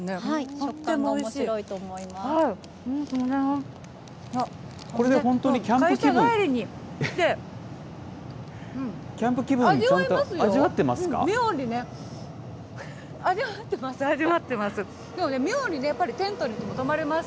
食感もおもしろいと思います。